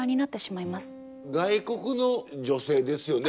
外国の女性ですよね